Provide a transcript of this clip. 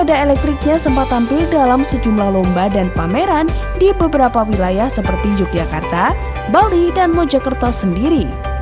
sepeda elektriknya sempat tampil dalam sejumlah lomba dan pameran di beberapa wilayah seperti yogyakarta bali dan mojokerto sendiri